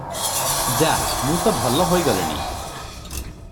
ଯା, ମୁଁ ତ ଭଲ ହୋଇଗଲିଣି ।"